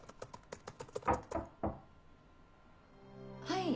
はい。